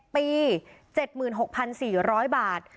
ปี๗๖๔๐๐บาท